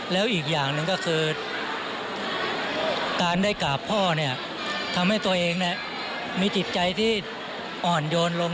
แล้วอีกอย่างหนึ่งก็คือการได้กราบพ่อเนี่ยทำให้ตัวเองมีจิตใจที่อ่อนโยนลง